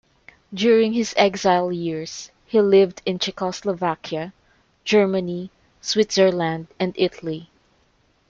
During his exile years he lived in Czechoslovakia, Germany, Switzerland and Italy.